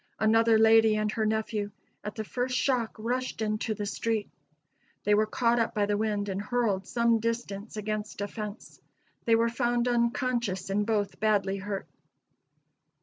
Another lady and her nephew, at the first shock rushed into the street. They were caught up by the wind and hurled some distance against a fence. They were found unconscious and both badly hurt.